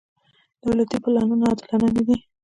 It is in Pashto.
دولتي پلانونه عادلانه نه دي.